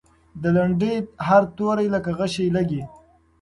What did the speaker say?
د لنډۍ هر توری لکه غشی لګي.